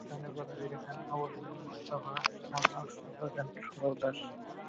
গানের কথা লিখেছেন আবু হেনা মোস্তফা কামাল, সুর করেছেন সুবল দাস।